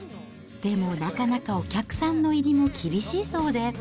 でも、なかなかお客さんの入りも厳しいそうで。